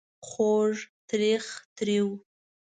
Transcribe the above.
خوږ .. تریخ ... تریو ...